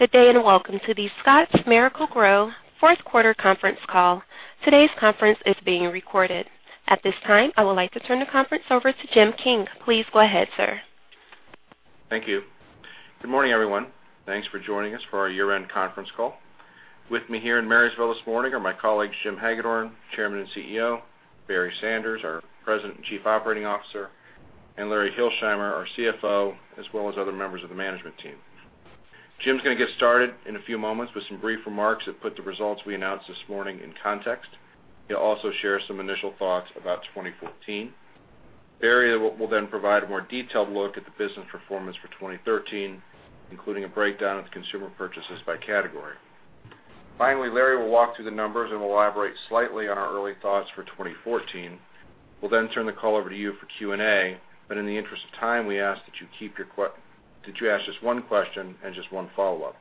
Good day, welcome to The Scotts Miracle-Gro fourth quarter conference call. Today's conference is being recorded. At this time, I would like to turn the conference over to Jim King. Please go ahead, sir. Thank you. Good morning, everyone. Thanks for joining us for our year-end conference call. With me here in Marysville this morning are my colleagues, Jim Hagedorn, Chairman and CEO, Barry Sanders, our President and Chief Operating Officer, and Lawrence Hilsheimer, our CFO, as well as other members of the management team. Jim's going to get started in a few moments with some brief remarks that put the results we announced this morning in context. He'll also share some initial thoughts about 2014. Barry will provide a more detailed look at the business performance for 2013, including a breakdown of consumer purchases by category. Finally, Larry will walk through the numbers and elaborate slightly on our early thoughts for 2014. We'll turn the call over to you for Q&A, in the interest of time, we ask that you ask just one question and just one follow-up.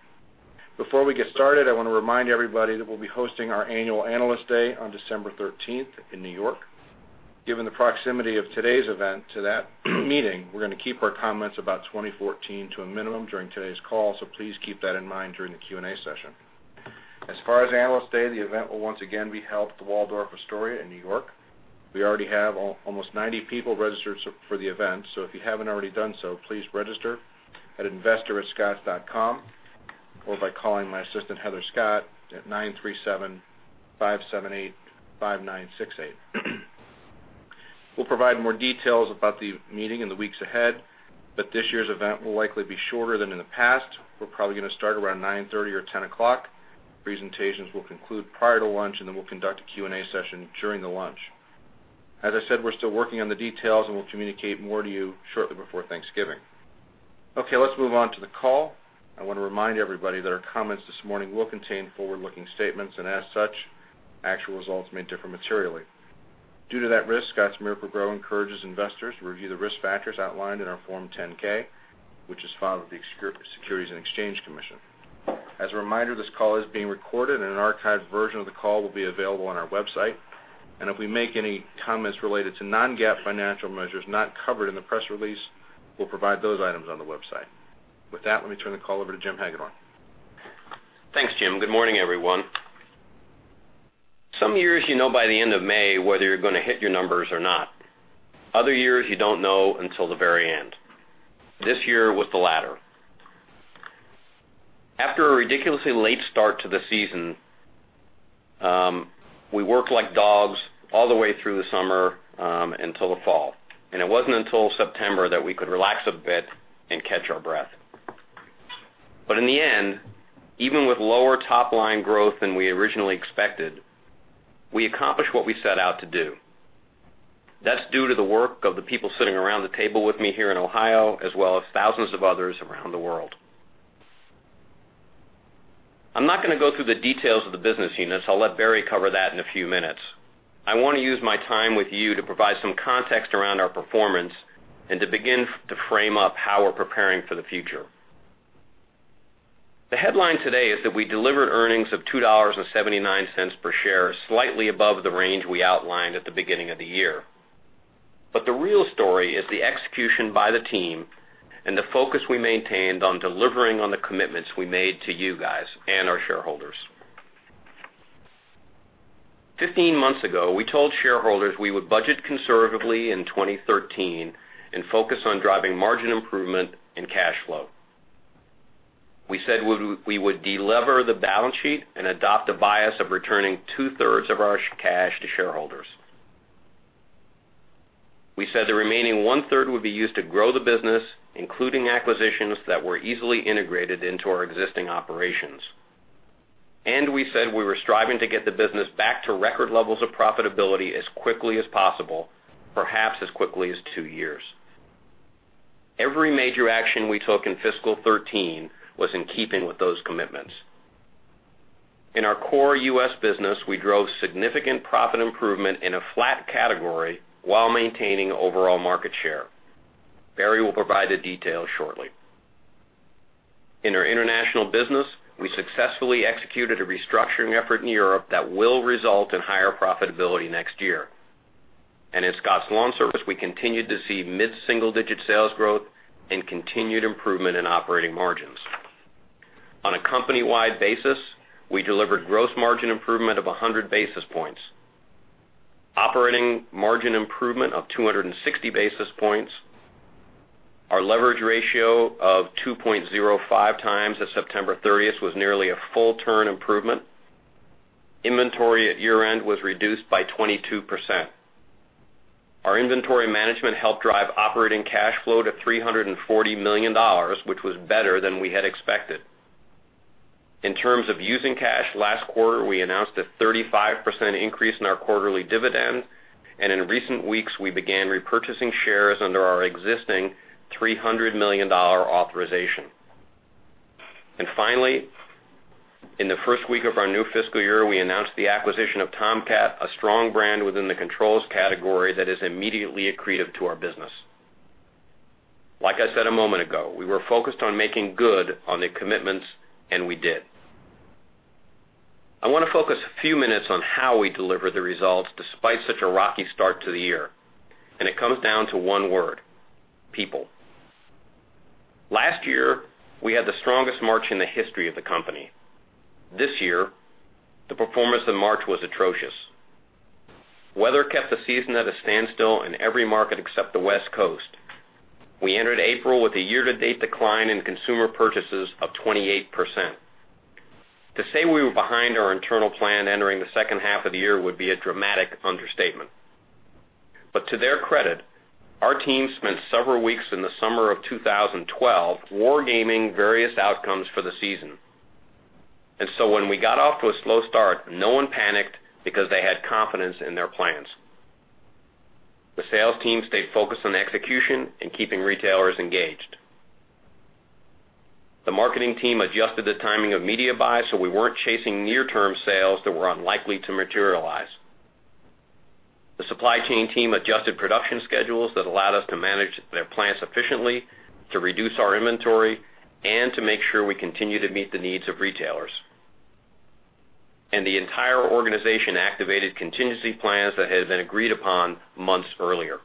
Before we get started, I want to remind everybody that we'll be hosting our annual Analyst Day on December 13th in New York. Given the proximity of today's event to that meeting, we're going to keep our comments about 2014 to a minimum during today's call, please keep that in mind during the Q&A session. As far as Analyst Day, the event will once again be held at the Waldorf Astoria in New York. We already have almost 90 people registered for the event, if you haven't already done so, please register at investor@scotts.com or by calling my assistant, Heather Scott, at (937) 578-5968. We'll provide more details about the meeting in the weeks ahead, this year's event will likely be shorter than in the past. We're probably going to start around 9:30 A.M. or 10:00 A.M. Presentations will conclude prior to lunch, we'll conduct a Q&A session during the lunch. As I said, we're still working on the details, we'll communicate more to you shortly before Thanksgiving. Okay, let's move on to the call. I want to remind everybody that our comments this morning will contain forward-looking statements, as such, actual results may differ materially. Due to that risk, Scotts Miracle-Gro encourages investors to review the risk factors outlined in our Form 10-K, which is filed with the Securities and Exchange Commission. As a reminder, this call is being recorded, an archived version of the call will be available on our website. If we make any comments related to non-GAAP financial measures not covered in the press release, we'll provide those items on the website. With that, let me turn the call over to Jim Hagedorn. Thanks, Jim. Good morning, everyone. Some years you know by the end of May whether you're going to hit your numbers or not. Other years, you don't know until the very end. This year was the latter. After a ridiculously late start to the season, we worked like dogs all the way through the summer until the fall, and it wasn't until September that we could relax a bit and catch our breath. In the end, even with lower top-line growth than we originally expected, we accomplished what we set out to do. That's due to the work of the people sitting around the table with me here in Ohio, as well as thousands of others around the world. I'm not going to go through the details of the business units. I'll let Barry cover that in a few minutes. I want to use my time with you to provide some context around our performance and to begin to frame up how we're preparing for the future. The headline today is that we delivered earnings of $2.79 per share, slightly above the range we outlined at the beginning of the year. The real story is the execution by the team and the focus we maintained on delivering on the commitments we made to you guys and our shareholders. 15 months ago, we told shareholders we would budget conservatively in 2013 and focus on driving margin improvement and cash flow. We said we would de-lever the balance sheet and adopt a bias of returning two-thirds of our cash to shareholders. We said the remaining one-third would be used to grow the business, including acquisitions that were easily integrated into our existing operations. We said we were striving to get the business back to record levels of profitability as quickly as possible, perhaps as quickly as two years. Every major action we took in fiscal 2013 was in keeping with those commitments. In our core U.S. business, we drove significant profit improvement in a flat category while maintaining overall market share. Barry will provide the details shortly. In our international business, we successfully executed a restructuring effort in Europe that will result in higher profitability next year. At Scotts LawnService, we continued to see mid-single-digit sales growth and continued improvement in operating margins. On a company-wide basis, we delivered gross margin improvement of 100 basis points, operating margin improvement of 260 basis points. Our leverage ratio of 2.05 times as of September 30th was nearly a full turn improvement. Inventory at year-end was reduced by 22%. Our inventory management helped drive operating cash flow to $340 million, which was better than we had expected. In terms of using cash, last quarter, we announced a 35% increase in our quarterly dividend, and in recent weeks, we began repurchasing shares under our existing $300 million authorization. Finally, in the first week of our new fiscal year, we announced the acquisition of Tomcat, a strong brand within the controls category that is immediately accretive to our business. Like I said a moment ago, we were focused on making good on the commitments, and we did I want to focus a few minutes on how we deliver the results despite such a rocky start to the year, and it comes down to one word: people. Last year, we had the strongest March in the history of the company. This year, the performance in March was atrocious. Weather kept the season at a standstill in every market except the West Coast. We entered April with a year-to-date decline in consumer purchases of 28%. To say we were behind our internal plan entering the second half of the year would be a dramatic understatement. To their credit, our team spent several weeks in the summer of 2012 wargaming various outcomes for the season. When we got off to a slow start, no one panicked because they had confidence in their plans. The sales team stayed focused on execution and keeping retailers engaged. The marketing team adjusted the timing of media buys so we weren't chasing near-term sales that were unlikely to materialize. The supply chain team adjusted production schedules that allowed us to manage their plants efficiently, to reduce our inventory, and to make sure we continue to meet the needs of retailers. The entire organization activated contingency plans that had been agreed upon months earlier.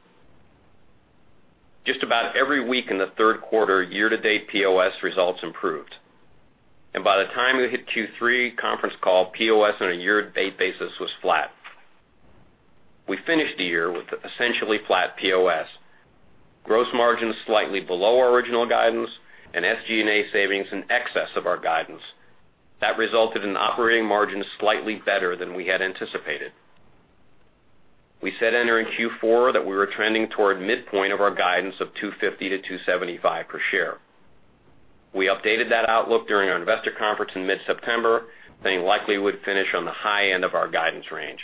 Just about every week in the third quarter, year-to-date POS results improved. By the time we hit Q3 conference call, POS on a year-to-date basis was flat. We finished the year with essentially flat POS, gross margin slightly below our original guidance, and SG&A savings in excess of our guidance. That resulted in operating margins slightly better than we had anticipated. We said entering Q4 that we were trending toward midpoint of our guidance of $2.50-$2.75 per share. We updated that outlook during our investor conference in mid-September, saying likely would finish on the high end of our guidance range.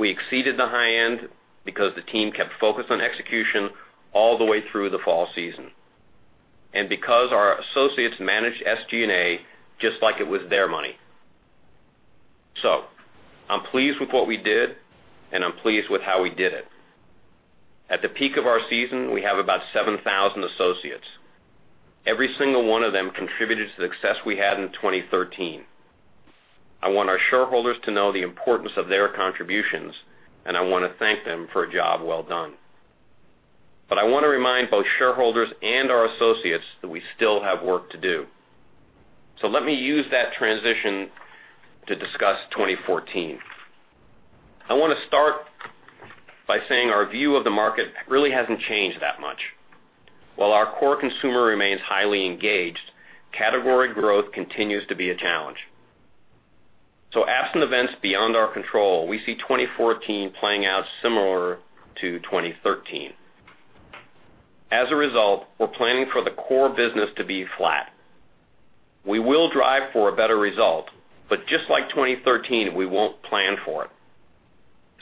We exceeded the high end because the team kept focused on execution all the way through the fall season, and because our associates managed SG&A just like it was their money. I'm pleased with what we did, and I'm pleased with how we did it. At the peak of our season, we have about 7,000 associates. Every single one of them contributed to the success we had in 2013. I want our shareholders to know the importance of their contributions, and I want to thank them for a job well done. I want to remind both shareholders and our associates that we still have work to do. Let me use that transition to discuss 2014. I want to start by saying our view of the market really hasn't changed that much. While our core consumer remains highly engaged, category growth continues to be a challenge. Absent events beyond our control, we see 2014 playing out similar to 2013. As a result, we're planning for the core business to be flat. We will drive for a better result, just like 2013, we won't plan for it.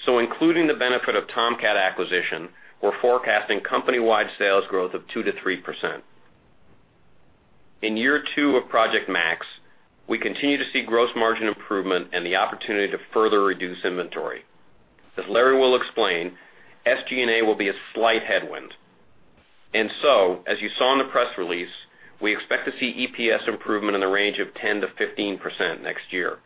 Including the benefit of Tomcat acquisition, we're forecasting company-wide sales growth of 2%-3%. In year two of Project Max, we continue to see gross margin improvement and the opportunity to further reduce inventory. As Larry will explain, SG&A will be a slight headwind. As you saw in the press release, we expect to see EPS improvement in the range of 10%-15% next year.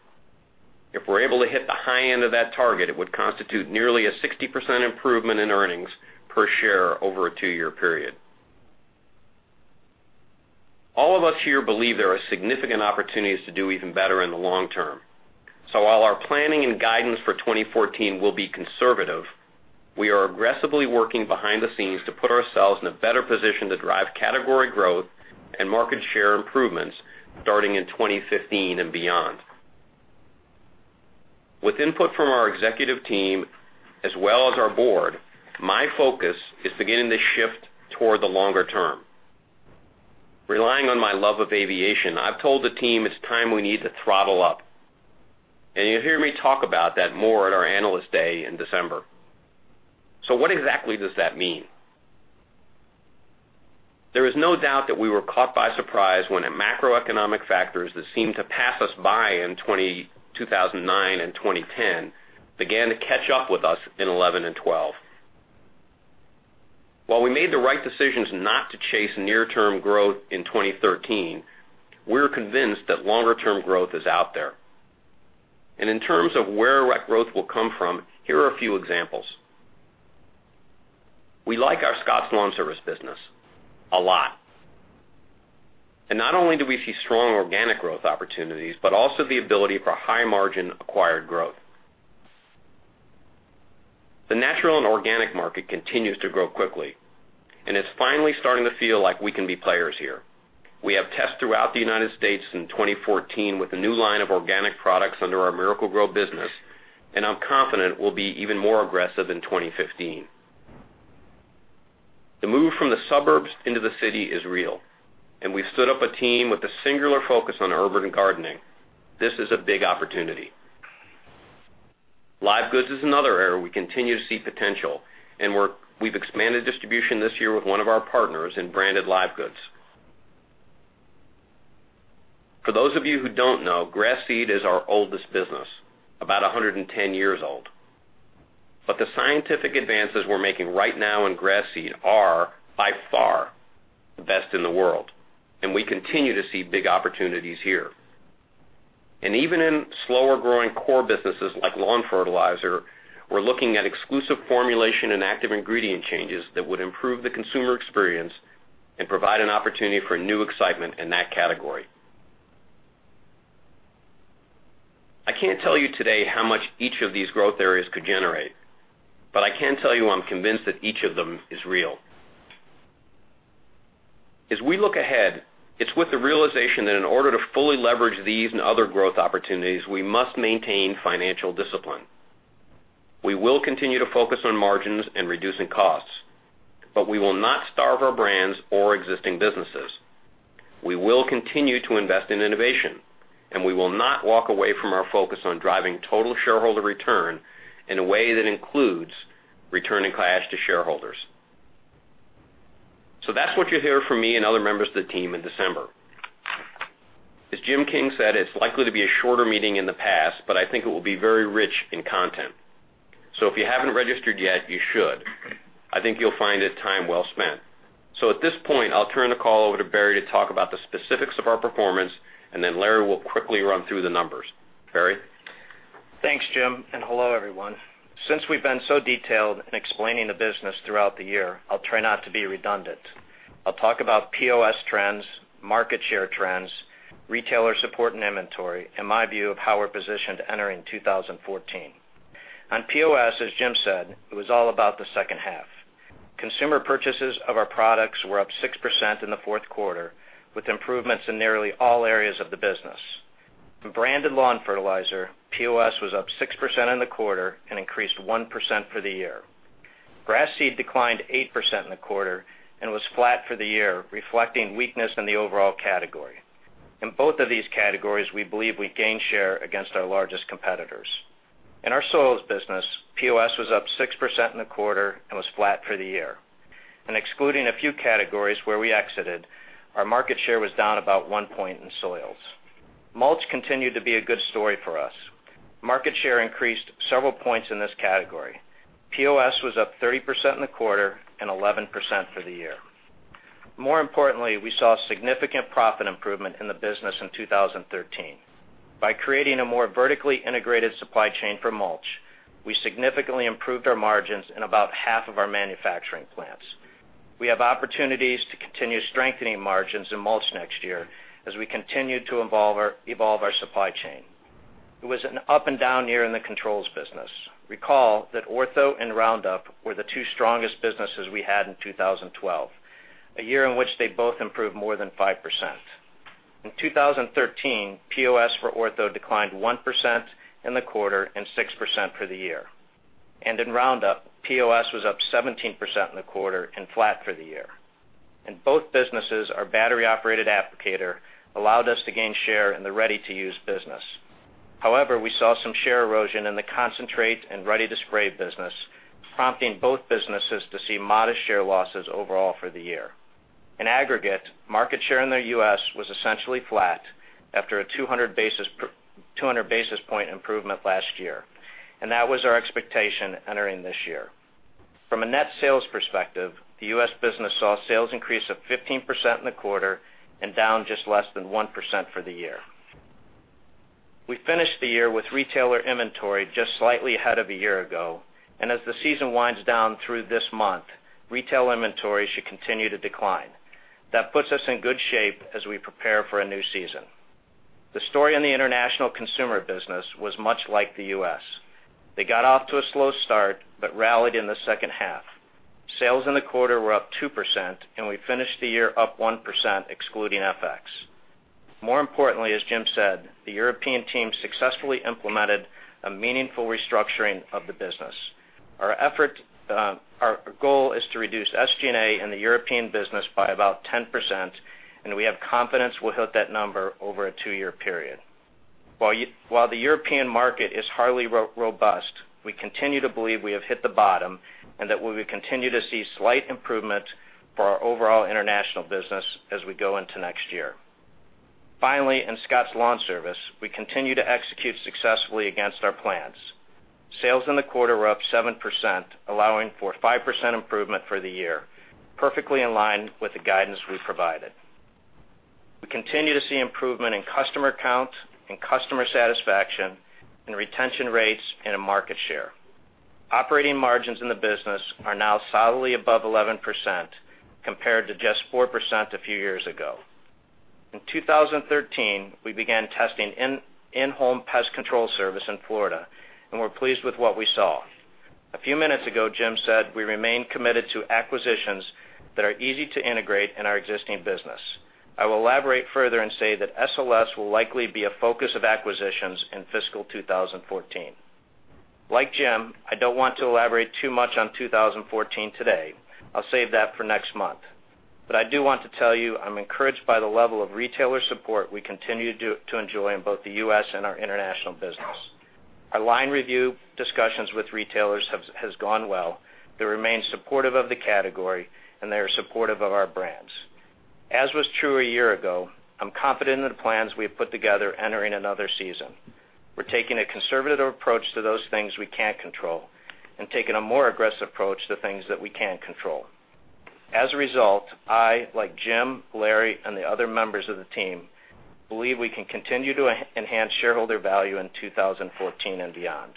If we're able to hit the high end of that target, it would constitute nearly a 60% improvement in earnings per share over a two-year period. All of us here believe there are significant opportunities to do even better in the long term. While our planning and guidance for 2014 will be conservative, we are aggressively working behind the scenes to put ourselves in a better position to drive category growth and market share improvements starting in 2015 and beyond. With input from our executive team as well as our board, my focus is beginning to shift toward the longer term. Relying on my love of aviation, I've told the team it's time we need to throttle up. You'll hear me talk about that more at our Analyst Day in December. What exactly does that mean? There is no doubt that we were caught by surprise when macroeconomic factors that seemed to pass us by in 2009 and 2010 began to catch up with us in 2011 and 2012. While we made the right decisions not to chase near-term growth in 2013, we're convinced that longer-term growth is out there. In terms of where that growth will come from, here are a few examples. We like our Scotts LawnService business a lot. Not only do we see strong organic growth opportunities, but also the ability for high-margin acquired growth. The natural and organic market continues to grow quickly, and it's finally starting to feel like we can be players here. We have tests throughout the U.S. in 2014 with a new line of organic products under our Miracle-Gro business, and I'm confident we'll be even more aggressive in 2015. The move from the suburbs into the city is real, and we've stood up a team with a singular focus on urban gardening. This is a big opportunity. Live goods is another area we continue to see potential, and we've expanded distribution this year with one of our partners in branded live goods. For those of you who don't know, grass seed is our oldest business, about 110 years old. The scientific advances we're making right now in grass seed are by far the best in the world, and we continue to see big opportunities here. Even in slower-growing core businesses like lawn fertilizer, we're looking at exclusive formulation and active ingredient changes that would improve the consumer experience and provide an opportunity for new excitement in that category. I can't tell you today how much each of these growth areas could generate, but I can tell you I'm convinced that each of them is real. As we look ahead, it's with the realization that in order to fully leverage these and other growth opportunities, we must maintain financial discipline. We will continue to focus on margins and reducing costs, but we will not starve our brands or existing businesses. We will continue to invest in innovation, and we will not walk away from our focus on driving total shareholder return in a way that includes returning cash to shareholders. That's what you'll hear from me and other members of the team in December. As Jim King said, it's likely to be a shorter meeting in the past, but I think it will be very rich in content. If you haven't registered yet, you should. I think you'll find it time well spent. At this point, I'll turn the call over to Barry to talk about the specifics of our performance. Larry will quickly run through the numbers. Barry? Thanks, Jim. Hello, everyone. Since we've been so detailed in explaining the business throughout the year, I'll try not to be redundant. I'll talk about POS trends, market share trends, retailer support and inventory, and my view of how we're positioned entering 2014. On POS, as Jim said, it was all about the second half. Consumer purchases of our products were up 6% in the fourth quarter, with improvements in nearly all areas of the business. In branded lawn fertilizer, POS was up 6% in the quarter and increased 1% for the year. Grass seed declined 8% in the quarter and was flat for the year, reflecting weakness in the overall category. In both of these categories, we believe we gained share against our largest competitors. In our soils business, POS was up 6% in the quarter and was flat for the year. Excluding a few categories where we exited, our market share was down about one point in soils. mulch continued to be a good story for us. Market share increased several points in this category. POS was up 30% in the quarter and 11% for the year. More importantly, we saw significant profit improvement in the business in 2013. By creating a more vertically integrated supply chain for mulch, we significantly improved our margins in about half of our manufacturing plants. We have opportunities to continue strengthening margins in mulch next year as we continue to evolve our supply chain. It was an up-and-down year in the controls business. Recall that Ortho and Roundup were the two strongest businesses we had in 2012, a year in which they both improved more than 5%. In 2013, POS for Ortho declined 1% in the quarter and 6% for the year. In Roundup, POS was up 17% in the quarter and flat for the year. In both businesses, our battery-operated applicator allowed us to gain share in the ready-to-use business. However, we saw some share erosion in the concentrate and ready-to-spray business, prompting both businesses to see modest share losses overall for the year. In aggregate, market share in the U.S. was essentially flat after a 200 basis point improvement last year. That was our expectation entering this year. From a net sales perspective, the U.S. business saw sales increase of 15% in the quarter and down just less than 1% for the year. We finished the year with retailer inventory just slightly ahead of a year ago. As the season winds down through this month, retail inventory should continue to decline. That puts us in good shape as we prepare for a new season. The story in the international consumer business was much like the U.S. They got off to a slow start but rallied in the second half. Sales in the quarter were up 2%, and we finished the year up 1%, excluding FX. More importantly, as Jim said, the European team successfully implemented a meaningful restructuring of the business. Our goal is to reduce SG&A in the European business by about 10%, and we have confidence we'll hit that number over a two-year period. While the European market is hardly robust, we continue to believe we have hit the bottom and that we will continue to see slight improvement for our overall international business as we go into next year. Finally, in Scotts LawnService, we continue to execute successfully against our plans. Sales in the quarter were up 7%, allowing for 5% improvement for the year, perfectly in line with the guidance we provided. We continue to see improvement in customer count and customer satisfaction and retention rates and in market share. Operating margins in the business are now solidly above 11%, compared to just 4% a few years ago. In 2013, we began testing in-home pest control service in Florida, and we're pleased with what we saw. A few minutes ago, Jim said we remain committed to acquisitions that are easy to integrate in our existing business. I will elaborate further and say that SLS will likely be a focus of acquisitions in fiscal 2014. Like Jim, I don't want to elaborate too much on 2014 today. I'll save that for next month. I do want to tell you I'm encouraged by the level of retailer support we continue to enjoy in both the U.S. and our international business. Our line review discussions with retailers has gone well. They remain supportive of the category, and they are supportive of our brands. As was true a year ago, I'm confident in the plans we have put together entering another season. We're taking a conservative approach to those things we can't control and taking a more aggressive approach to things that we can control. As a result, I, like Jim, Larry, and the other members of the team, believe we can continue to enhance shareholder value in 2014 and beyond.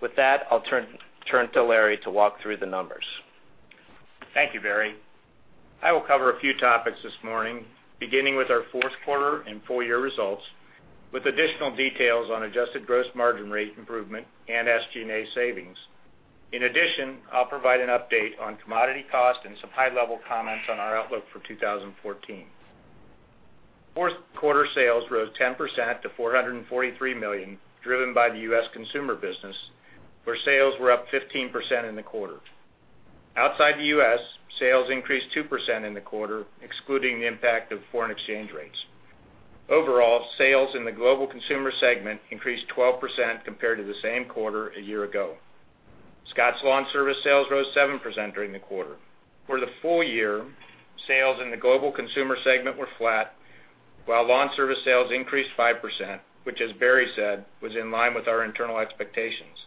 With that, I'll turn to Larry to walk through the numbers. Thank you, Barry. I will cover a few topics this morning, beginning with our fourth quarter and full year results, with additional details on adjusted gross margin rate improvement and SG&A savings. In addition, I'll provide an update on commodity cost and some high-level comments on our outlook for 2014. Fourth quarter sales rose 10% to $443 million, driven by the U.S. consumer business, where sales were up 15% in the quarter. Outside the U.S., sales increased 2% in the quarter, excluding the impact of foreign exchange rates. Overall, sales in the global consumer segment increased 12% compared to the same quarter a year ago. Scotts LawnService sales rose 7% during the quarter. For the full year, sales in the global consumer segment were flat, while Scotts LawnService sales increased 5%, which as Barry said, was in line with our internal expectations.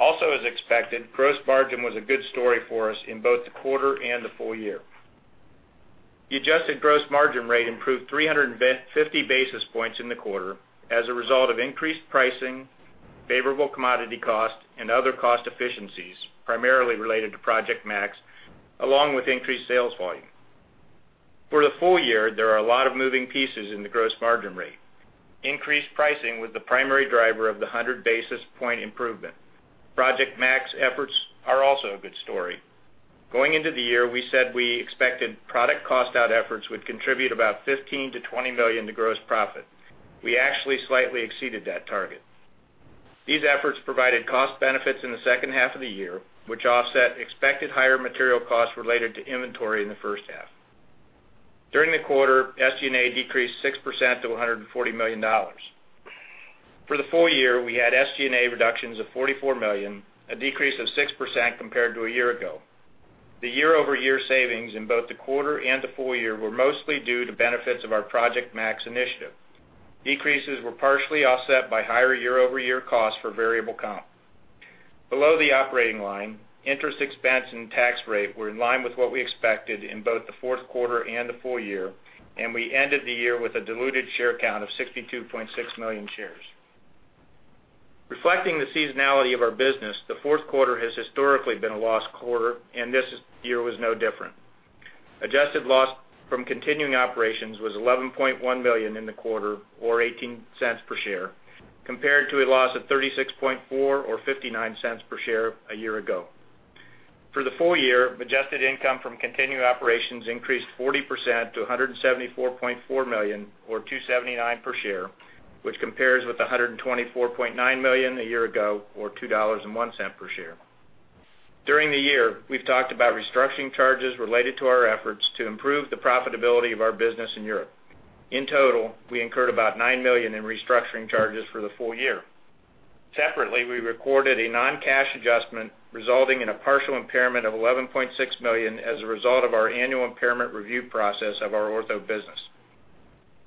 As expected, gross margin was a good story for us in both the quarter and the full year. The adjusted gross margin rate improved 350 basis points in the quarter as a result of increased pricing, favorable commodity cost, and other cost efficiencies, primarily related to Project Max, along with increased sales volume. For the full year, there are a lot of moving pieces in the gross margin rate. Increased pricing was the primary driver of the 100 basis point improvement. Project Max efforts are also a good story. Going into the year, we said we expected product cost out efforts would contribute about $15 million-$20 million to gross profit. We actually slightly exceeded that target. These efforts provided cost benefits in the second half of the year, which offset expected higher material costs related to inventory in the first half. During the quarter, SG&A decreased 6% to $140 million. For the full year, we had SG&A reductions of $44 million, a decrease of 6% compared to a year ago. The year-over-year savings in both the quarter and the full year were mostly due to benefits of our Project Max initiative. Decreases were partially offset by higher year-over-year costs for variable comp. Below the operating line, interest expense and tax rate were in line with what we expected in both the fourth quarter and the full year, and we ended the year with a diluted share count of 62.6 million shares. Reflecting the seasonality of our business, the fourth quarter has historically been a loss quarter, and this year was no different. Adjusted loss from continuing operations was $11.1 million in the quarter, or $0.18 per share, compared to a loss of $36.4 million or $0.59 per share a year ago. For the full year, adjusted income from continuing operations increased 40% to $174.4 million, or $2.79 per share, which compares with $124.9 million a year ago, or $2.01 per share. During the year, we've talked about restructuring charges related to our efforts to improve the profitability of our business in Europe. In total, we incurred about $9 million in restructuring charges for the full year. Separately, we recorded a non-cash adjustment resulting in a partial impairment of $11.6 million as a result of our annual impairment review process of our Ortho business.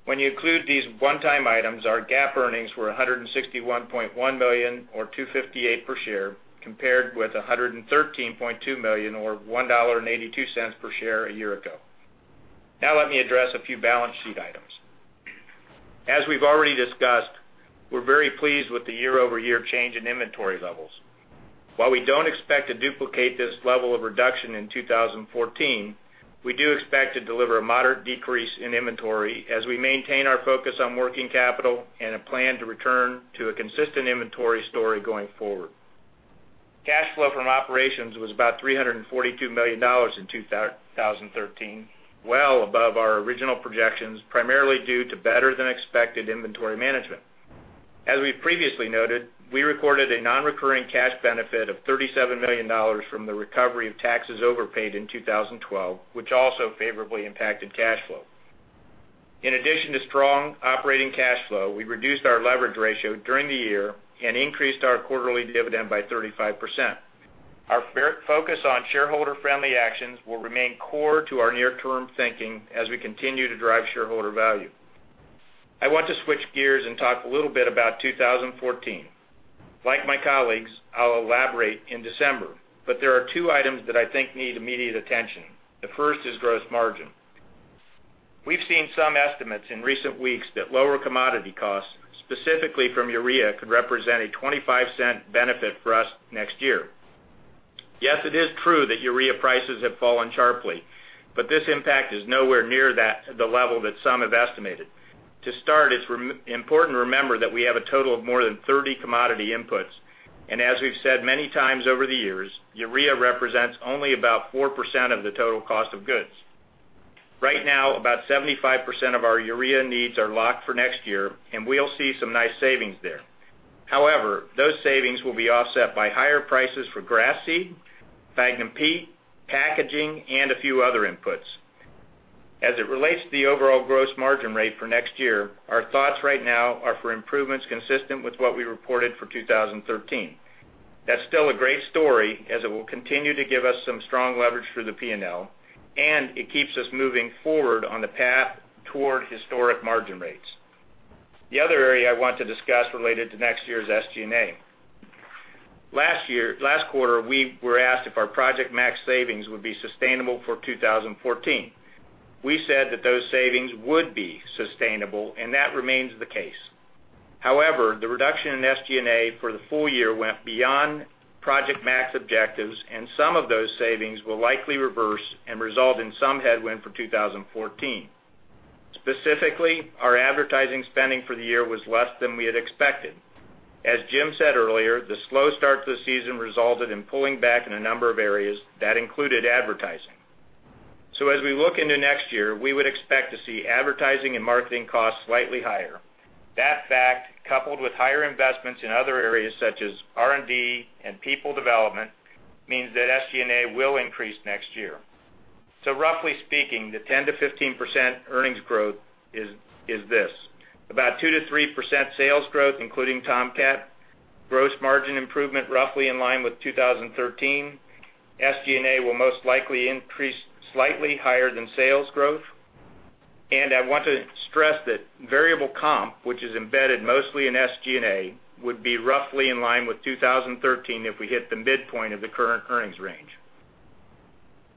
When you include these one-time items, our GAAP earnings were $161.1 million or $2.58 per share compared with $113.2 million or $1.82 per share a year ago. Let me address a few balance sheet items. As we've already discussed, we're very pleased with the year-over-year change in inventory levels. While we don't expect to duplicate this level of reduction in 2014, we do expect to deliver a moderate decrease in inventory as we maintain our focus on working capital and a plan to return to a consistent inventory story going forward. Cash flow from operations was about $342 million in 2013, well above our original projections, primarily due to better than expected inventory management. As we've previously noted, we recorded a non-recurring cash benefit of $37 million from the recovery of taxes overpaid in 2012, which also favorably impacted cash flow. In addition to strong operating cash flow, we reduced our leverage ratio during the year and increased our quarterly dividend by 35%. Our focus on shareholder-friendly actions will remain core to our near-term thinking as we continue to drive shareholder value. I want to switch gears and talk a little bit about 2014. Like my colleagues, I'll elaborate in December, but there are two items that I think need immediate attention. The first is gross margin. We've seen some estimates in recent weeks that lower commodity costs, specifically from urea, could represent a $0.25 benefit for us next year. Yes, it is true that urea prices have fallen sharply, but this impact is nowhere near the level that some have estimated. To start, it's important to remember that we have a total of more than 30 commodity inputs, and as we've said many times over the years, urea represents only about 4% of the total cost of goods. Right now, about 75% of our urea needs are locked for next year, and we'll see some nice savings there. However, those savings will be offset by higher prices for grass seed, sphagnum peat, packaging, and a few other inputs. As it relates to the overall gross margin rate for next year, our thoughts right now are for improvements consistent with what we reported for 2013. That's still a great story, as it will continue to give us some strong leverage through the P&L, and it keeps us moving forward on the path toward historic margin rates. The other area I want to discuss related to next year's SG&A. Last quarter, we were asked if our Project Max savings would be sustainable for 2014. We said that those savings would be sustainable, and that remains the case. However, the reduction in SG&A for the full year went beyond Project Max objectives, and some of those savings will likely reverse and result in some headwind for 2014. Specifically, our advertising spending for the year was less than we had expected. As Jim said earlier, the slow start to the season resulted in pulling back in a number of areas that included advertising. As we look into next year, we would expect to see advertising and marketing costs slightly higher. That fact, coupled with higher investments in other areas such as R&D and people development, means that SG&A will increase next year. Roughly speaking, the 10%-15% earnings growth is this. About 2%-3% sales growth, including Tomcat. Gross margin improvement roughly in line with 2013. SG&A will most likely increase slightly higher than sales growth. I want to stress that variable comp, which is embedded mostly in SG&A, would be roughly in line with 2013 if we hit the midpoint of the current earnings range.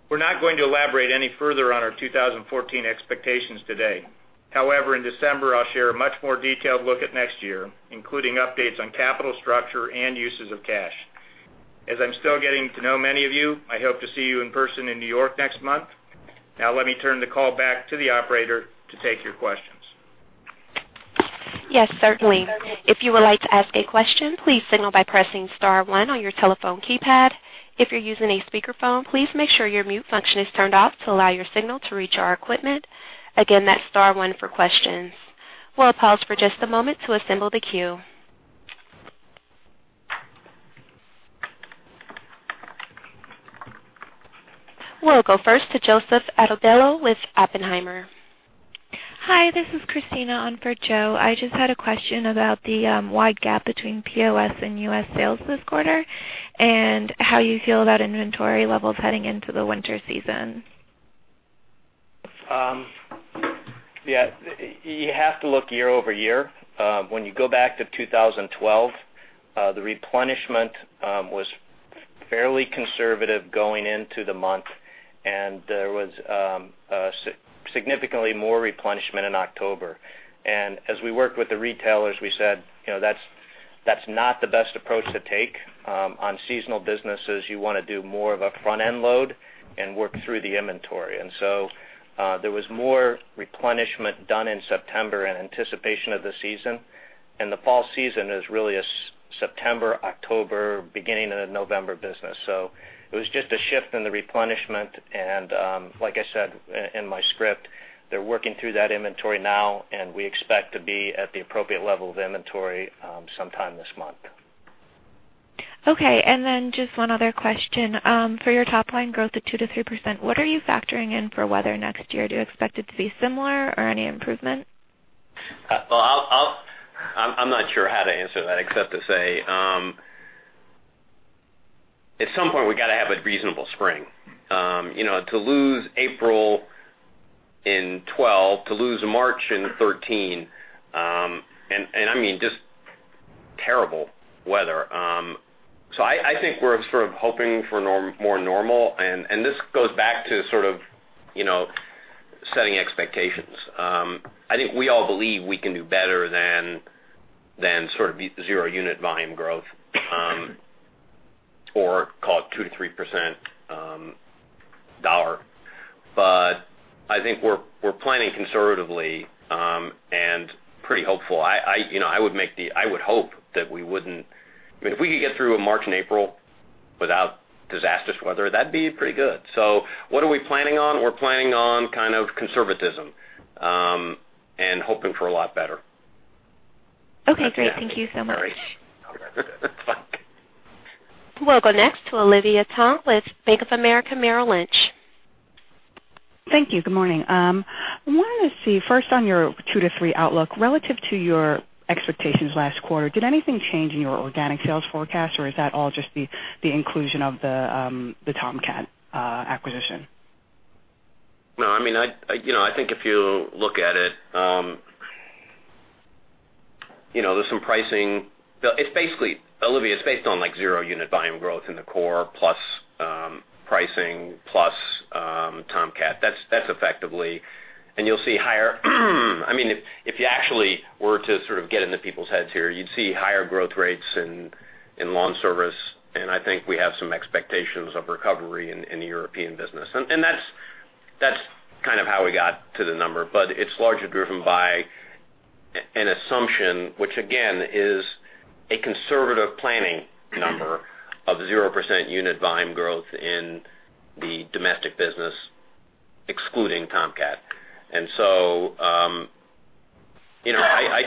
We're not going to elaborate any further on our 2014 expectations today. However, in December, I'll share a much more detailed look at next year, including updates on capital structure and uses of cash. As I'm still getting to know many of you, I hope to see you in person in New York next month. Now let me turn the call back to the operator to take your questions. Yes, certainly. If you would like to ask a question, please signal by pressing *1 on your telephone keypad. If you're using a speakerphone, please make sure your mute function is turned off to allow your signal to reach our equipment. Again, that's *1 for questions. We'll pause for just a moment to assemble the queue. We'll go first to Joseph Altobello with Oppenheimer. Hi, this is Christina on for Joe. I just had a question about the wide gap between POS and U.S. sales this quarter, and how you feel about inventory levels heading into the winter season. You have to look year-over-year. When you go back to 2012, the replenishment was fairly conservative going into the month, and there was significantly more replenishment in October. And as we worked with the retailers, we said, "That's not the best approach to take. On seasonal businesses, you want to do more of a front-end load and work through the inventory." So there was more replenishment done in September in anticipation of the season. And the fall season is really a September, October, beginning of November business. So it was just a shift in the replenishment, and like I said in my script, they're working through that inventory now, and we expect to be at the appropriate level of inventory sometime this month. Okay. Just one other question. For your top-line growth of 2%-3%, what are you factoring in for weather next year? Do you expect it to be similar or any improvement? I'm not sure how to answer that except to say, at some point, we got to have a reasonable spring. To lose April in 2012, to lose March in 2013, just terrible weather. I think we're sort of hoping for more normal. This goes back to setting expectations. I think we all believe we can do better than zero unit volume growth or call it 2%-3% dollar. I think we're planning conservatively and pretty hopeful. I would hope that we wouldn't If we could get through March and April without disastrous weather, that'd be pretty good. What are we planning on? We're planning on conservatism and hoping for a lot better. Okay, great. Thank you so much. That's fine. We'll go next to Olivia Tong with Bank of America Merrill Lynch. Thank you. Good morning. I wanted to see first on your 2%-3% outlook relative to your expectations last quarter. Did anything change in your organic sales forecast, or is that all just the inclusion of the Tomcat acquisition? I think if you look at it, there's some pricing. Olivia, it's based on 0 unit volume growth in the core plus pricing plus Tomcat. That's effectively If you actually were to sort of get into people's heads here, you'd see higher growth rates in Scotts LawnService, and I think we have some expectations of recovery in the European business. That's kind of how we got to the number, but it's largely driven by an assumption, which again, is a conservative planning number of 0% unit volume growth in the domestic business, excluding Tomcat. I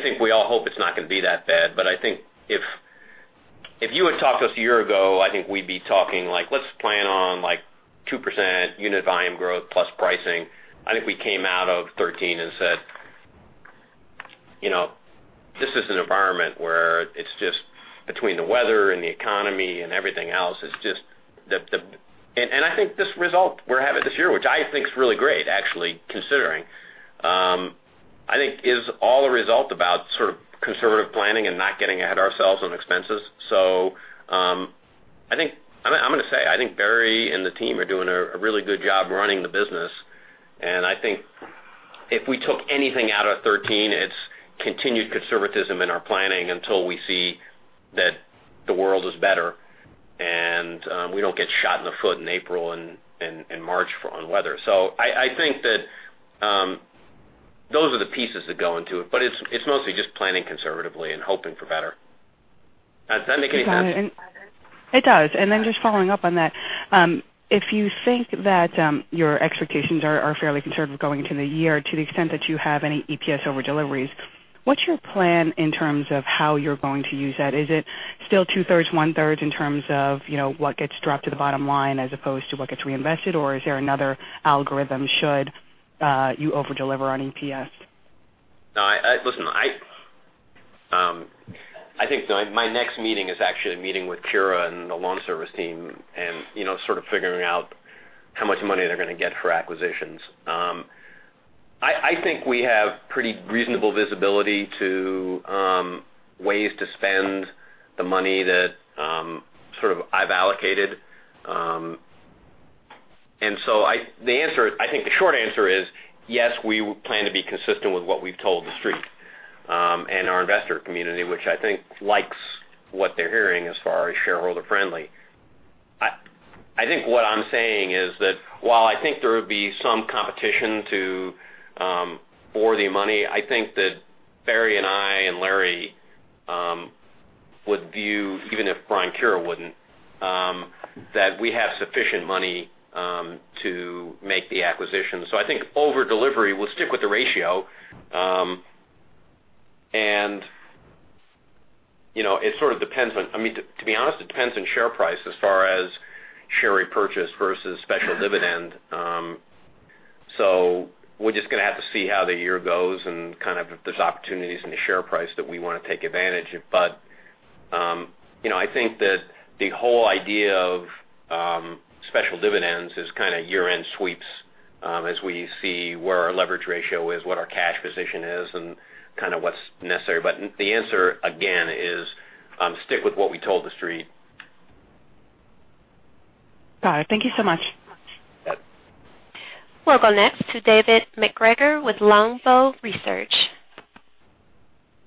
think we all hope it's not going to be that bad. I think if you had talked to us a year ago, I think we'd be talking like, "Let's plan on 2% unit volume growth plus pricing." I think we came out of 2013 and said This is an environment where it's just between the weather and the economy and everything else. I think this result we're having this year, which I think is really great, actually, considering, I think is all a result about sort of conservative planning and not getting ahead ourselves on expenses. I'm going to say, I think Barry and the team are doing a really good job running the business, and I think if we took anything out of 2013, it's continued conservatism in our planning until we see that the world is better and we don't get shot in the foot in April and March on weather. I think that those are the pieces that go into it's mostly just planning conservatively and hoping for better. Does that make any sense? It does. Then just following up on that, if you think that your expectations are fairly conservative going into the year to the extent that you have any EPS over-deliveries, what's your plan in terms of how you're going to use that? Is it still two-thirds, one-third in terms of what gets dropped to the bottom line as opposed to what gets reinvested? Is there another algorithm should you over-deliver on EPS? No. Listen, I think my next meeting is actually a meeting with Kira and the Scotts LawnService team, sort of figuring out how much money they're going to get for acquisitions. I think we have pretty reasonable visibility to ways to spend the money that I've allocated. I think the short answer is, yes, we plan to be consistent with what we've told the Street, and our investor community, which I think likes what they're hearing as far as shareholder friendly. I think what I'm saying is that while I think there would be some competition for the money, I think that Barry and I and Larry would view, even if Brian Kira wouldn't, that we have sufficient money to make the acquisition. I think over-delivery, we'll stick with the ratio. To be honest, it depends on share price as far as share repurchase versus special dividend. We're just going to have to see how the year goes and kind of if there's opportunities in the share price that we want to take advantage of. I think that the whole idea of special dividends is kind of year-end sweeps as we see where our leverage ratio is, what our cash position is, and kind of what's necessary. The answer, again, is stick with what we told the Street. Got it. Thank you so much. Yep. We'll go next to David MacGregor with Longbow Research.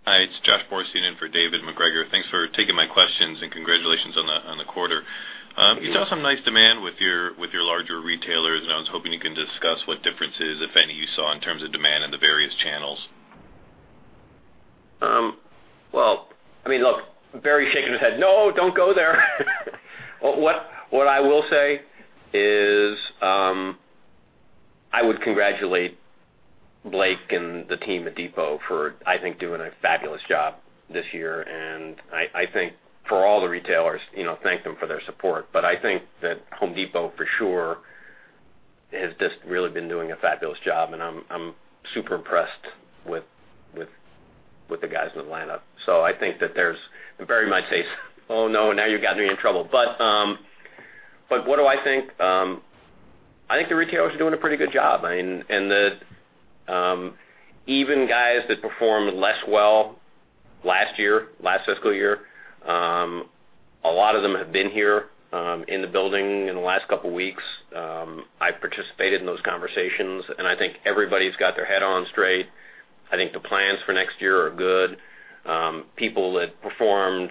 Hi, it's Joshua Bordin-Wosk in for David MacGregor. Thanks for taking my questions. Congratulations on the quarter. You saw some nice demand with your larger retailers, and I was hoping you can discuss what differences, if any, you saw in terms of demand in the various channels. Well, look, Barry's shaking his head, "No, don't go there." What I will say is, I would congratulate Blake and the team at Depot for, I think, doing a fabulous job this year. I think for all the retailers thank them for their support. I think that Home Depot, for sure, has just really been doing a fabulous job, and I'm super impressed with the guys in Atlanta. Barry might say, "Oh, no, now you've got me in trouble." What do I think? I think the retailers are doing a pretty good job. Even guys that performed less well last year, last fiscal year, a lot of them have been here in the building in the last couple of weeks. I participated in those conversations, and I think everybody's got their head on straight. I think the plans for next year are good. People that performed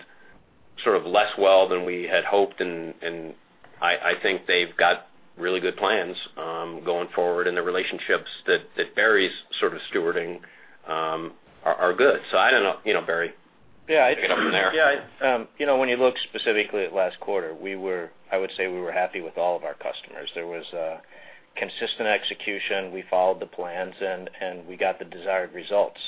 sort of less well than we had hoped, and I think they've got really good plans going forward, and the relationships that Barry's sort of stewarding are good. I don't know, Barry? Yeah. You can come in there. Yeah. When you look specifically at last quarter, I would say we were happy with all of our customers. There was a consistent execution. We followed the plans, and we got the desired results.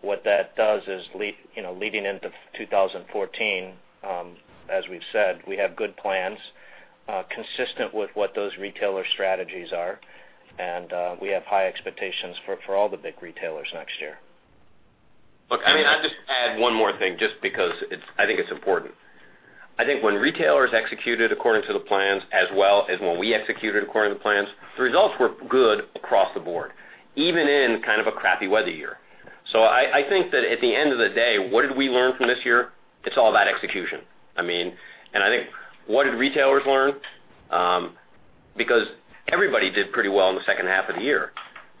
What that does is leading into 2014, as we've said, we have good plans, consistent with what those retailer strategies are, and we have high expectations for all the big retailers next year. Look, I'd just add one more thing, just because I think it's important. I think when retailers executed according to the plans, as well as when we executed according to the plans, the results were good across the board, even in kind of a crappy weather year. I think that at the end of the day, what did we learn from this year? It's all about execution. I think what did retailers learn? Because everybody did pretty well in the second half of the year.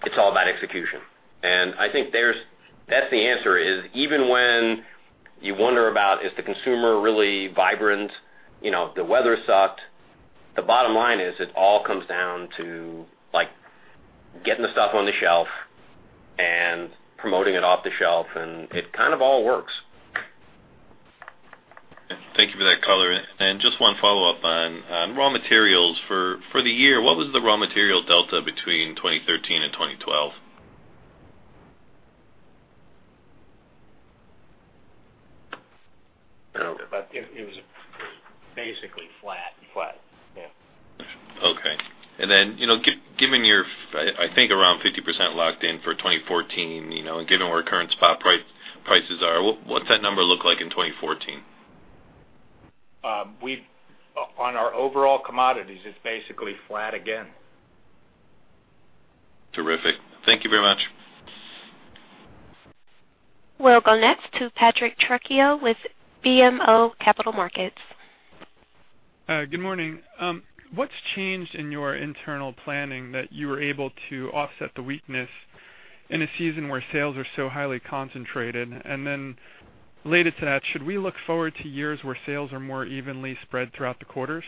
It's all about execution. I think that's the answer is, even when you wonder about, is the consumer really vibrant? The weather sucked. The bottom line is, it all comes down to getting the stuff on the shelf and promoting it off the shelf, and it kind of all works. Thank you for that color. Just one follow-up on raw materials. For the year, what was the raw material delta between 2013 and 2012? It was basically flat. Flat. Yeah. Okay. Then, given your, I think, around 50% locked in for 2014, and given where current spot prices are, what's that number look like in 2014? On our overall commodities, it's basically flat again. Terrific. Thank you very much. We'll go next to Patrick Truccillo with BMO Capital Markets. Good morning. What's changed in your internal planning that you were able to offset the weakness in a season where sales are so highly concentrated? Related to that, should we look forward to years where sales are more evenly spread throughout the quarters?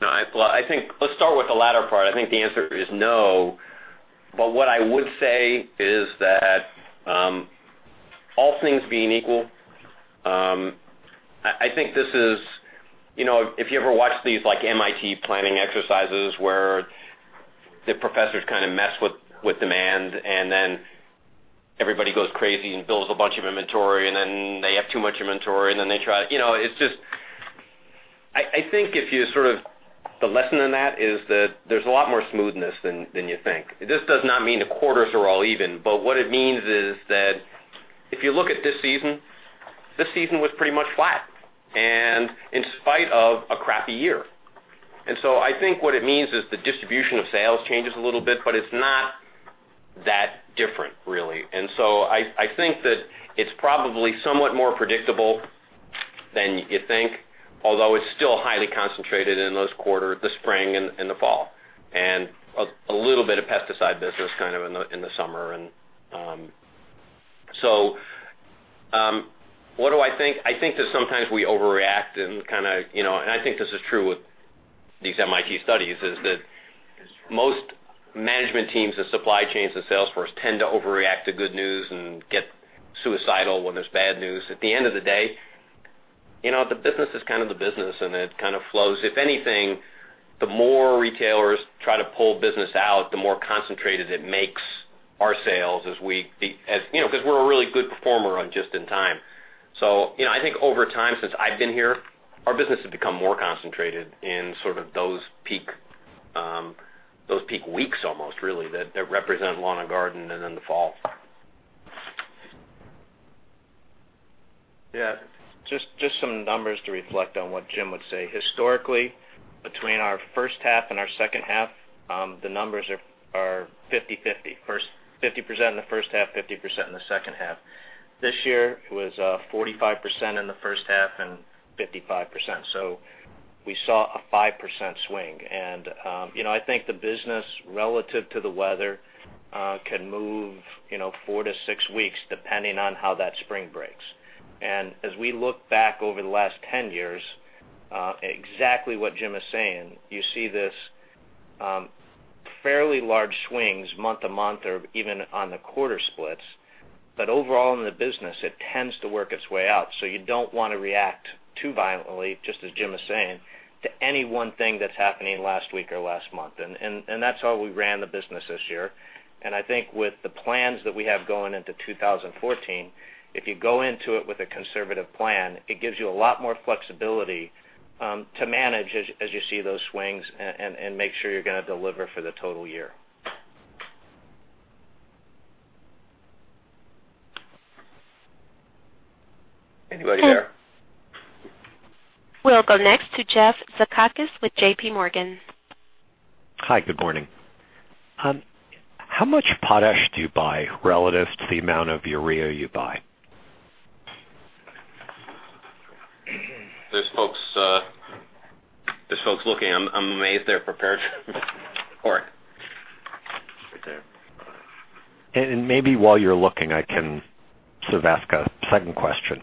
Let's start with the latter part. I think the answer is no, but what I would say is that all things being equal, if you ever watch these MIT planning exercises where the professors kind of mess with demand and then everybody goes crazy and builds a bunch of inventory and then they have too much inventory and then the lesson in that is that there's a lot more smoothness than you think. This does not mean the quarters are all even, but what it means is that if you look at this season, this season was pretty much flat and in spite of a crappy year. I think what it means is the distribution of sales changes a little bit, but it's not that different, really. I think that it's probably somewhat more predictable than you think, although it's still highly concentrated in those quarters, the spring and the fall, and a little bit of pesticide business kind of in the summer. What do I think? I think that sometimes we overreact and I think this is true with these MIT studies, is that most management teams, the supply chains, the sales force tend to overreact to good news and get suicidal when there's bad news. At the end of the day, the business is kind of the business and it kind of flows. If anything, the more retailers try to pull business out, the more concentrated it makes our sales because we're a really good performer on just in time. I think over time since I've been here, our business has become more concentrated in sort of those peak weeks almost really that represent lawn and garden and in the fall. Yeah. Just some numbers to reflect on what Jim would say. Historically, between our first half and our second half, the numbers are 50-50. 50% in the first half, 50% in the second half. This year it was 45% in the first half and 55%. We saw a 5% swing. I think the business relative to the weather can move four to six weeks depending on how that spring breaks. As we look back over the last 10 years, exactly what Jim is saying, you see this fairly large swings month to month or even on the quarter splits. Overall in the business, it tends to work its way out. You don't want to react too violently, just as Jim is saying, to any one thing that's happening last week or last month. That's how we ran the business this year. I think with the plans that we have going into 2014, if you go into it with a conservative plan, it gives you a lot more flexibility to manage as you see those swings and make sure you're going to deliver for the total year. Anybody there? We'll go next to Jeffrey Zekauskas with J.P. Morgan. Hi, good morning. How much potash do you buy relative to the amount of urea you buy? There's folks looking. I'm amazed they're prepared. Cory. Right there. Maybe while you're looking, I can sort of ask a second question.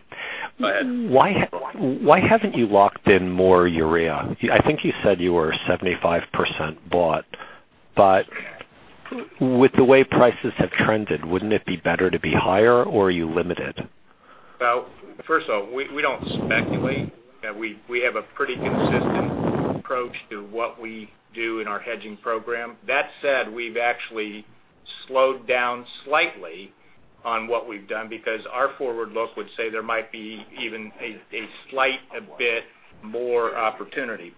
Why haven't you locked in more urea? I think you said you were 75% bought, but with the way prices have trended, wouldn't it be better to be higher or are you limited? Well, first of all, we don't speculate. We have a pretty consistent approach to what we do in our hedging program. That said, we've actually slowed down slightly on what we've done because our forward look would say there might be even a slight bit more opportunity.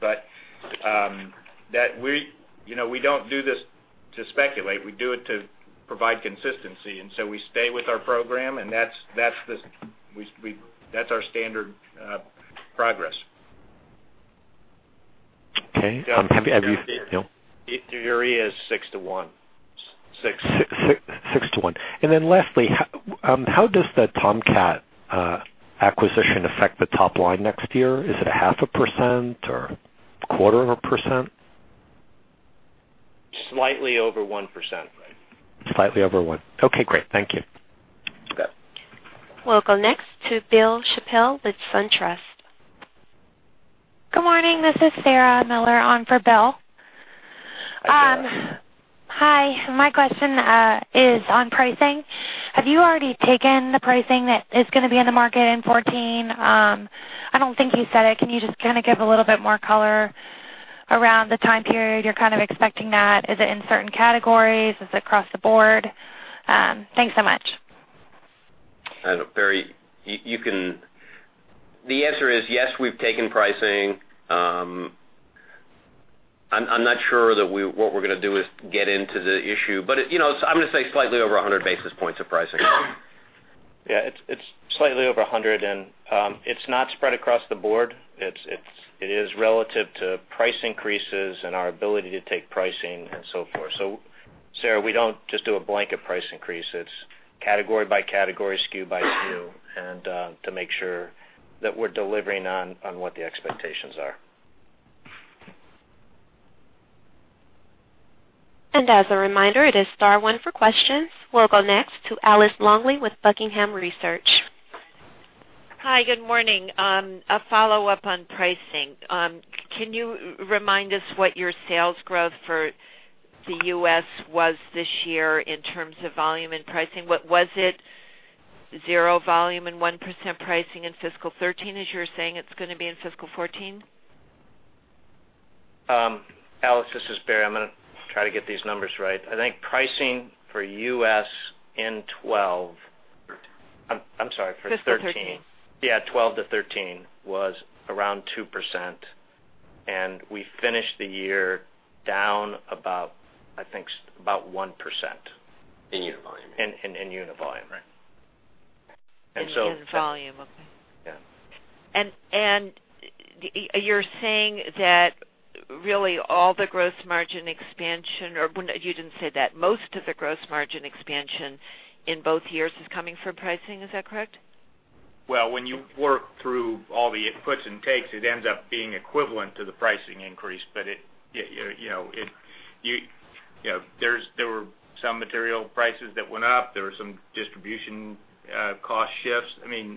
We don't do this to speculate. We do it to provide consistency, we stay with our program, and that's our standard progress. Okay. Urea is six to one. Six to one. Lastly, how does the Tomcat acquisition affect the top line next year? Is it a half a percent or quarter of a percent? Slightly over 1%. Slightly over one. Okay, great. Thank you. You bet. We'll go next to Bill Chappell with SunTrust. Good morning. This is Sarah Miller on for Bill. Hi, Sarah. Hi. My question is on pricing. Have you already taken the pricing that is going to be in the market in 2014? I don't think you said it. Can you just kind of give a little bit more color? Around the time period you're kind of expecting that, is it in certain categories? Is it across the board? Thanks so much. Barry, the answer is yes, we've taken pricing. I'm not sure that what we're going to do is get into the issue, but I'm going to say slightly over 100 basis points of pricing. It's slightly over 100, it's not spread across the board. It is relative to price increases and our ability to take pricing and so forth. Sarah, we don't just do a blanket price increase. It's category by category, SKU by SKU, to make sure that we're delivering on what the expectations are. As a reminder, it is star one for questions. We'll go next to Alice Longley with Buckingham Research. Hi, good morning. A follow-up on pricing. Can you remind us what your sales growth for the U.S. was this year in terms of volume and pricing? What was it, 0% volume and 1% pricing in fiscal 2013, as you were saying it's going to be in fiscal 2014? Alice, this is Barry. I'm going to try to get these numbers right. I think pricing for U.S. I'm sorry, for 2013. Fiscal 2013. Yeah, 2012 to 2013 was around 2%, and we finished the year down about, I think, about 1%. In unit volume. In unit volume, right. In volume. Okay. Yeah. You're saying that really all the gross margin expansion, or you didn't say that, most of the gross margin expansion in both years is coming from pricing, is that correct? When you work through all the puts and takes, it ends up being equivalent to the pricing increase, there were some material prices that went up. There were some distribution cost shifts.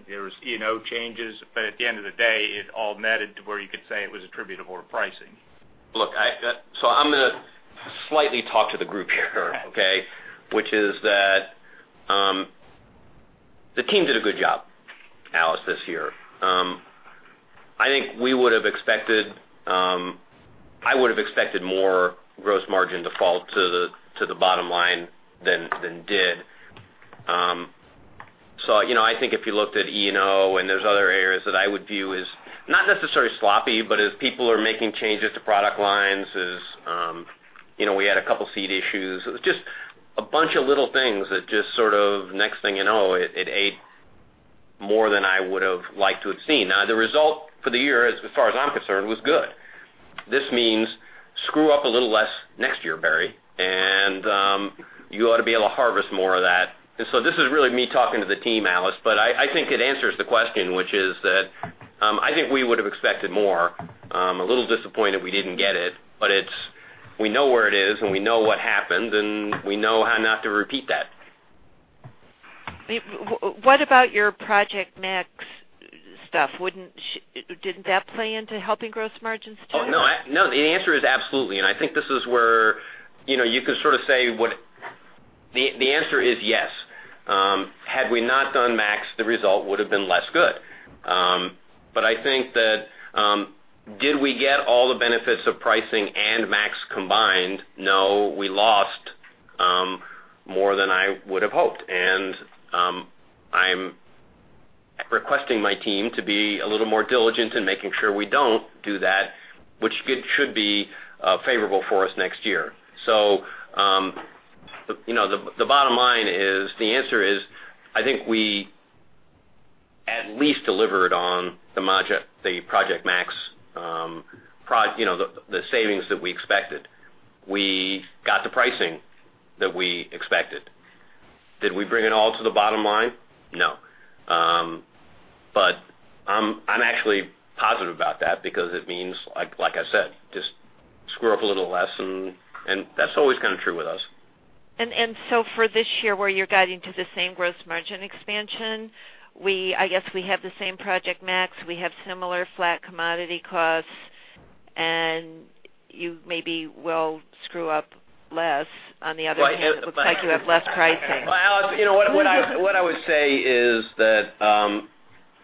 There was ENO changes. At the end of the day, it all netted to where you could say it was attributable to pricing. I'm going to slightly talk to the group here, okay? The team did a good job, Alice, this year. I think I would have expected more gross margin to fall to the bottom line than did. I think if you looked at ENO and there's other areas that I would view as, not necessarily sloppy, but as people are making changes to product lines. We had a couple seed issues. It was just a bunch of little things that just sort of, next thing you know, it ate more than I would have liked to have seen. The result for the year, as far as I'm concerned, was good. This means screw up a little less next year, Barry, and you ought to be able to harvest more of that. This is really me talking to the team, Alice, but I think it answers the question, which is that I think we would have expected more, a little disappointed we didn't get it, but we know where it is, and we know what happened, and we know how not to repeat that. What about your Project Max stuff? Didn't that play into helping gross margins too? No, the answer is absolutely. I think this is where you could sort of say the answer is yes. Had we not done Max, the result would have been less good. I think that did we get all the benefits of pricing and Max combined? No, we lost more than I would have hoped, and I'm requesting my team to be a little more diligent in making sure we don't do that, which should be favorable for us next year. The bottom line is, the answer is, I think we at least delivered on the Project Max savings that we expected. We got the pricing that we expected. Did we bring it all to the bottom line? No. I'm actually positive about that because it means, like I said, just screw up a little less, and that's always kind of true with us. For this year, where you're guiding to the same gross margin expansion, I guess we have the same Project Max, we have similar flat commodity costs, and you maybe will screw up less. On the other hand, it looks like you have less pricing. Alice, what I would say is that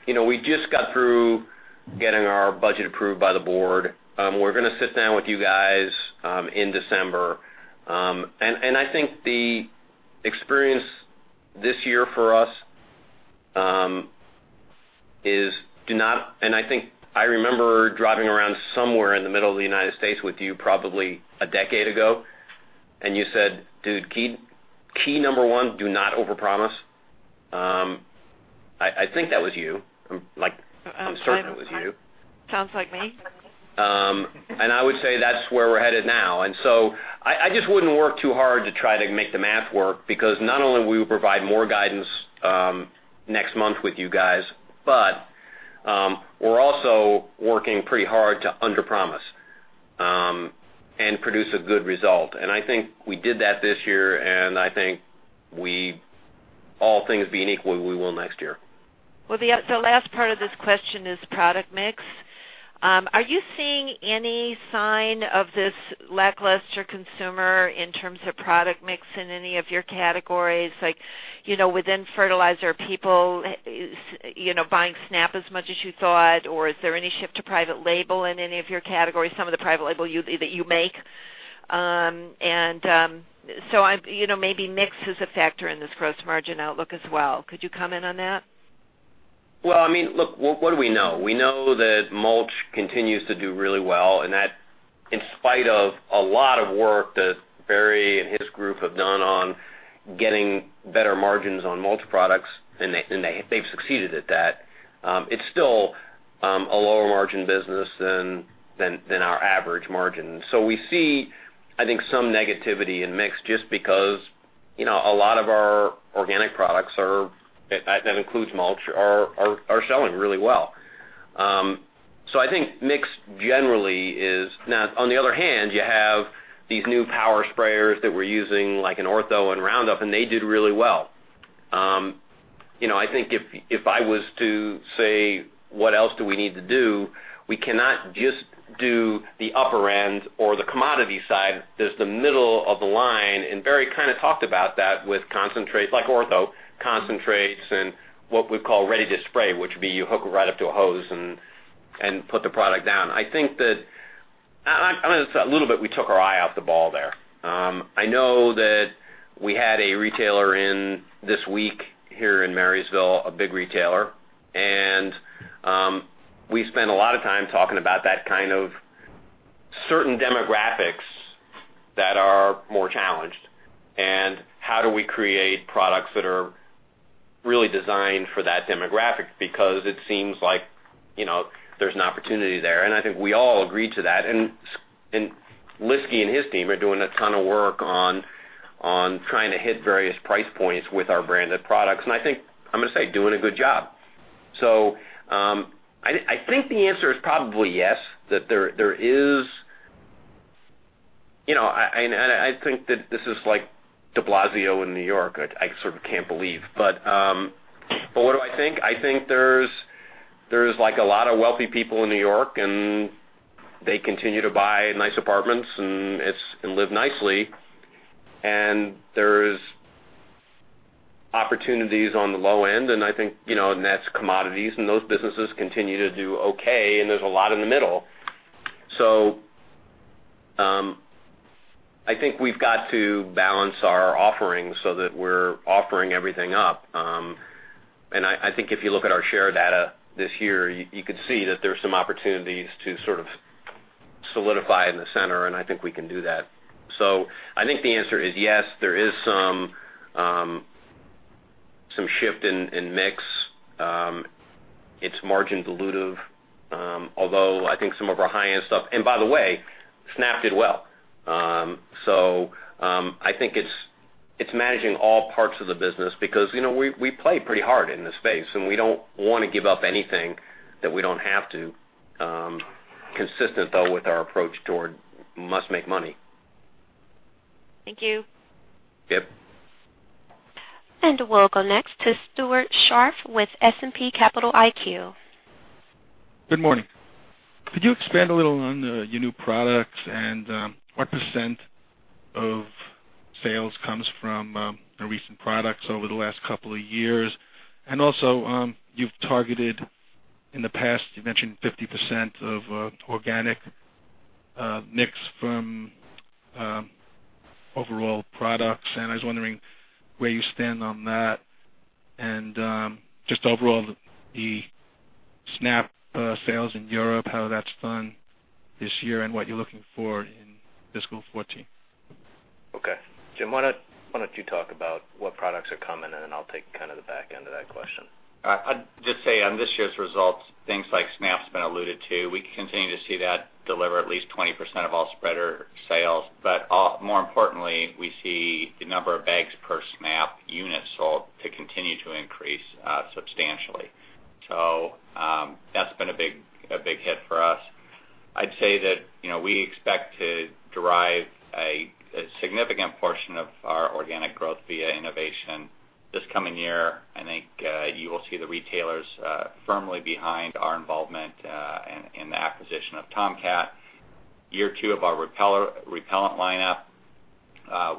we just got through getting our budget approved by the board. We're going to sit down with you guys in December. I think the experience this year for us is do not overpromise. I think I remember driving around somewhere in the middle of the U.S. with you probably a decade ago, and you said, "Dude, key number 1, do not overpromise." I think that was you. I'm certain it was you. Sounds like me. I would say that's where we're headed now. I just wouldn't work too hard to try to make the math work because not only will we provide more guidance next month with you guys, but we're also working pretty hard to underpromise and produce a good result. I think we did that this year, and I think we, all things being equal, we will next year. Well, the last part of this question is product mix. Are you seeing any sign of this lackluster consumer in terms of product mix in any of your categories? Like within fertilizer, are people buying Snap as much as you thought, or is there any shift to private label in any of your categories, some of the private label that you make? Maybe mix is a factor in this gross margin outlook as well. Could you comment on that? What do we know? We know that mulch continues to do really well, and that in spite of a lot of work that Barry and his group have done on getting better margins on mulch products, and they've succeeded at that, it's still a lower margin business than our average margin. We see, I think, some negativity in mix just because a lot of our organic products, that includes mulch, are selling really well. I think mix, generally. On the other hand, you have these new power sprayers that we're using, like an Ortho and Roundup, and they did really well. I think if I was to say, what else do we need to do, we cannot just do the upper end or the commodity side. There's the middle of the line. Barry kind of talked about that with concentrates like Ortho concentrates and what we call ready-to-spray, which would be you hook it right up to a hose and put the product down. I think that a little bit we took our eye off the ball there. I know that we had a retailer in this week here in Marysville, a big retailer, and we spent a lot of time talking about that kind of certain demographics that are more challenged, and how do we create products that are really designed for that demographic because it seems like there's an opportunity there. I think we all agreed to that. Lyski and his team are doing a ton of work on trying to hit various price points with our branded products, and I think, I'm going to say, doing a good job. I think the answer is probably yes, that there is. I think that this is like de Blasio in New York, I sort of can't believe. What do I think? I think there's a lot of wealthy people in New York, and they continue to buy nice apartments and live nicely. There's opportunities on the low end, and I think, and that's commodities, and those businesses continue to do okay, and there's a lot in the middle. I think we've got to balance our offerings so that we're offering everything up. I think if you look at our share data this year, you could see that there's some opportunities to sort of solidify in the center, and I think we can do that. I think the answer is yes, there is some shift in mix. It's margin dilutive, although I think some of our high-end stuff. By the way, Snap did well. I think it's managing all parts of the business because we play pretty hard in this space, and we don't want to give up anything that we don't have to, consistent though with our approach toward, must make money. Thank you. Yep. We'll go next to Stuart Scharf with S&P Capital IQ. Good morning. Could you expand a little on your new products and what % of sales comes from the recent products over the last couple of years? You've targeted in the past, you mentioned 50% of organic mix from overall products, and I was wondering where you stand on that and just overall the Snap sales in Europe, how that's done this year and what you're looking for in FY 2014. Okay. Jim, why don't you talk about what products are coming, and then I'll take kind of the back end of that question. I'd just say on this year's results, things like Snap's been alluded to. We continue to see that deliver at least 20% of all spreader sales. More importantly, we see the number of bags per Snap unit sold to continue to increase substantially. That's been a big hit for us. I'd say that we expect to derive a significant portion of our organic growth via innovation this coming year. I think you will see the retailers firmly behind our involvement in the acquisition of Tomcat. Year two of our repellent lineup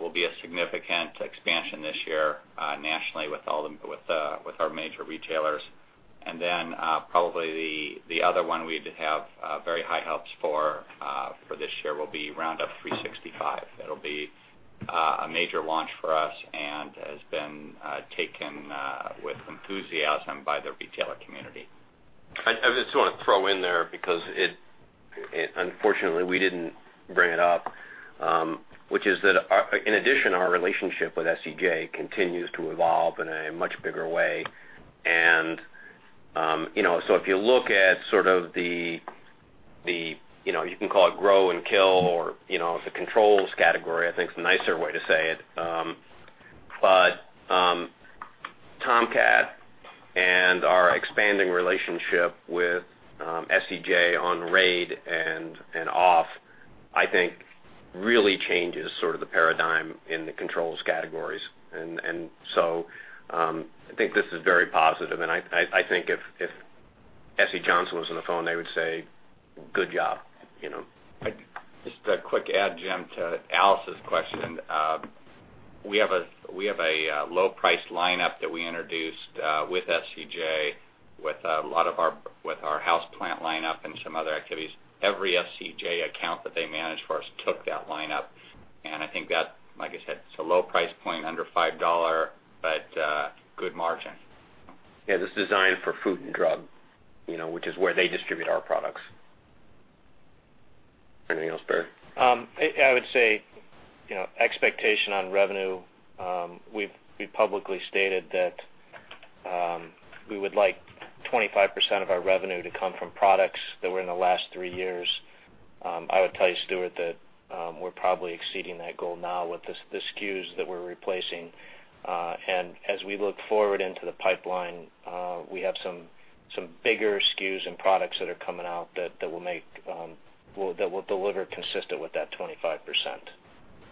will be a significant expansion this year nationally with our major retailers. Probably the other one we have very high hopes for this year will be Roundup 365. It'll be a major launch for us and has been taken with enthusiasm by the retailer community. I just want to throw in there because unfortunately we didn't bring it up, which is that in addition, our relationship with SCJ continues to evolve in a much bigger way. If you look at sort of the, you can call it grow and kill or the controls category, I think is the nicer way to say it. Tomcat and our expanding relationship with SCJ on Raid and Off!, I think really changes sort of the paradigm in the controls categories. I think this is very positive, and I think if SC Johnson was on the phone, they would say, "Good job. Just a quick add, Jim, to Alice's question. We have a low price lineup that we introduced with SCJ with our house plant lineup and some other activities. Every SCJ account that they manage for us took that lineup. I think that, like I said, it's a low price point, under $5, but good margin. Yeah. It was designed for food and drug which is where they distribute our products. Anything else, Barry? I would say, expectation on revenue, we've publicly stated that we would like 25% of our revenue to come from products that were in the last three years. I would tell you, Stuart, that we're probably exceeding that goal now with the SKUs that we're replacing. As we look forward into the pipeline, we have some bigger SKUs and products that are coming out that will deliver consistent with that 25%.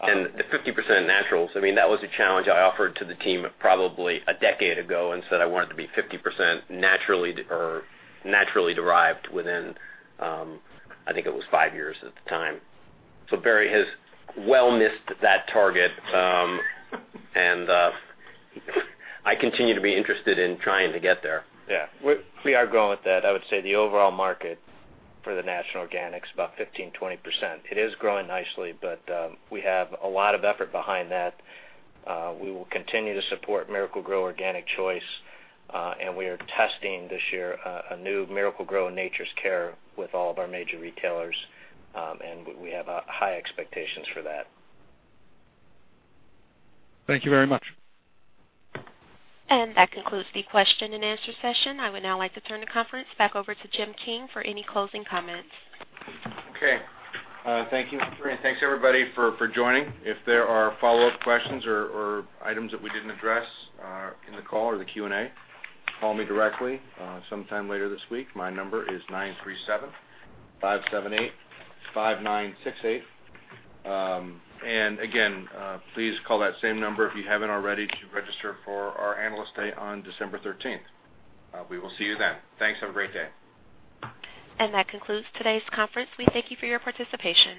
The 50% naturals, that was a challenge I offered to the team probably a decade ago and said I want it to be 50% naturally derived within, I think it was five years at the time. Barry has well missed that target. I continue to be interested in trying to get there. Yeah. We are growing with that. I would say the overall market for the natural organic is about 15%-20%. It is growing nicely, but we have a lot of effort behind that. We will continue to support Miracle-Gro Organic Choice. We are testing this year, a new Miracle-Gro Nature's Care with all of our major retailers, we have high expectations for that. Thank you very much. That concludes the question and answer session. I would now like to turn the conference back over to Jim King for any closing comments. Okay. Thank you, Corinne. Thanks everybody for joining. If there are follow-up questions or items that we didn't address in the call or the Q&A, call me directly sometime later this week. My number is 937-578-5968. Again, please call that same number if you haven't already to register for our Analyst Day on December 13th. We will see you then. Thanks. Have a great day. That concludes today's conference. We thank you for your participation.